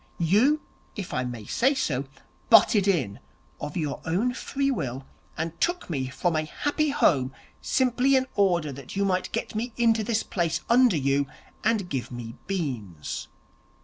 You, if I may say so, butted in of your own free will, and took me from a happy home, simply in order that you might get me into this place under you, and give me beans.